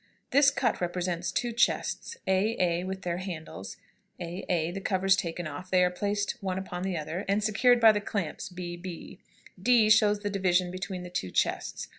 This cut represents two chests, A, A, with their handles, a, a; the covers taken off, they are placed one upon the other, and secured by the clamps B, B; d shows the division between the two chests.